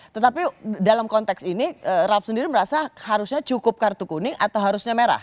tetapi dalam konteks ini raff sendiri merasa harusnya cukup kartu kuning atau harusnya merah